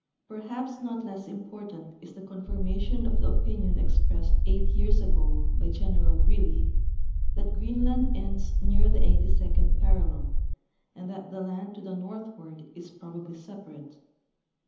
Perhaps not less important is the confirmation of the opinion expressed eight years ago by General Greely that Greenland ends near the 82d parallel, and that the land to the northward is probably separate.